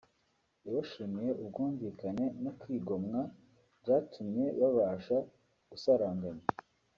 yabashimiye ubwumvikane no kwigomwa byatumye babasha gusaranganya